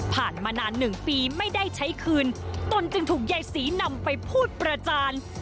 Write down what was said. มานาน๑ปีไม่ได้ใช้คืนตนจึงถูกยายศรีนำไปพูดประจาน